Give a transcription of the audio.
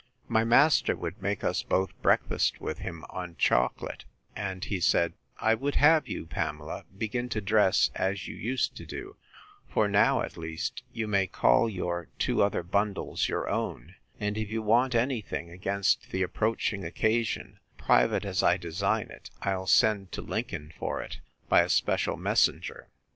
My master would make us both breakfast with him on chocolate; and he said, I would have you, Pamela, begin to dress as you used to do; for now, at least, you may call your two other bundles your own; and if you want any thing against the approaching occasion, private as I design it, I'll send to Lincoln for it, by a special messenger.